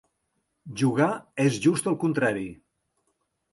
Jugar és just el contrari.